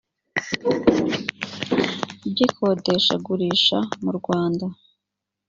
by ikodeshagurisha mu rwanda